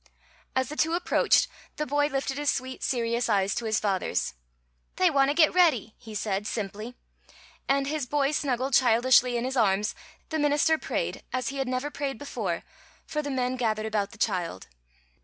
As the two approached, the boy lifted his sweet, serious eyes to his father's. "They want to get ready," he said, simply. And, his boy snuggled childishly in his arms, the minister prayed, as he never had prayed before, for the men gathered about the child.